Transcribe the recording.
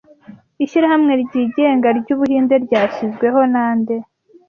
Ishyirahamwe ryigenga ryu Buhinde ryashyizweho nande